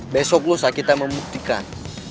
besok lusa kita membuktikan